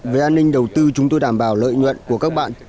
về an ninh đầu tư chúng tôi đảm bảo lợi nhuận của các bạn